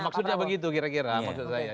maksudnya begitu kira kira maksud saya